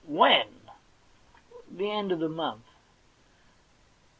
'When?' * The end of this month.'